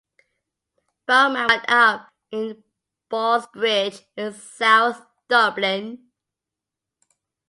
Bowman was brought up in Ballsbridge in south Dublin.